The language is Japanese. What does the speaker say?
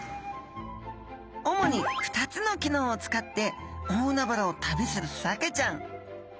主に２つの機能を使って大海原を旅するサケちゃん。